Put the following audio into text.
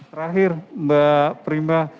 terakhir mbak prima